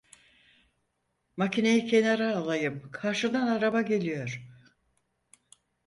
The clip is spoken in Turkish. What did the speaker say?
Makineyi kenara alayım, karşıdan araba geliyor!